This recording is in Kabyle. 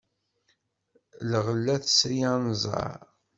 Lɣella tesri anẓar.